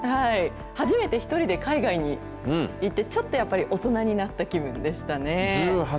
初めて１人で海外に行って、ちょっとやっぱり大人になった気分でしたね。